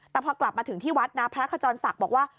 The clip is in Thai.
แต่พอกลับมาถึงที่วัดนะพระขจรศักดิ์บอกว่า